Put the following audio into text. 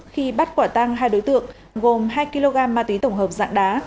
khi bắt quả tăng hai đối tượng gồm hai kg ma túy tổng hợp dạng đá